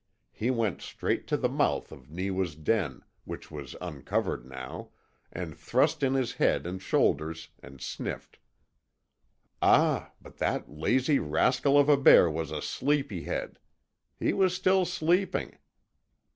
He went straight to the mouth of Neewa's den, which was uncovered now, and thrust in his head and shoulders, and sniffed. Ah! but that lazy rascal of a bear was a sleepy head! He was still sleeping.